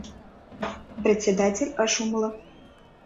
— председатель ыш умыло.